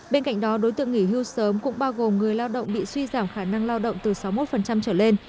bên cạnh đó đối tượng nghỉ hưu sớm cũng bao gồm người lao động bị suy giảm khả năng lao động từ sáu mươi một trở lên